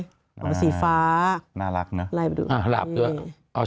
เป็นสีฟ้าน่ารักเนอะไล่มาดูอ้าหลับด้วย